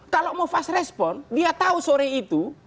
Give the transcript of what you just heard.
kalau mau fast respon dia tahu sore itu